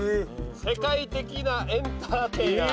世界的なエンタ―テイナ―。